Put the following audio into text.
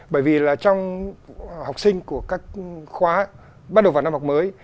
bởi vì là trong học sinh của các khóa bắt đầu vào năm học mới